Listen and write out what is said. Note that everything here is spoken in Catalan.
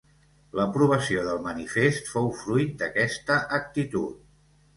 L’aprovació del manifest fou fruit d’aquesta actitud.